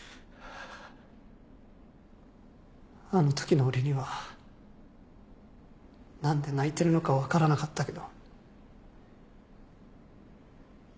あのときの俺には何で泣いてるのか分からなかったけど。